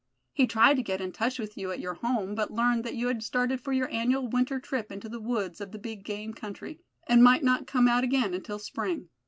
He tried to get in touch with you at your home, but learned that you had started for your annual winter trip into the woods of the big game country, and might not come out again until Spring.